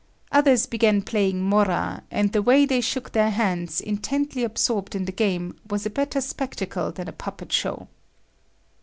Others began playing morra, and the way they shook their hands, intently absorbed in the game, was a better spectacle than a puppet show.